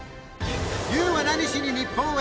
『ＹＯＵは何しに日本へ？』！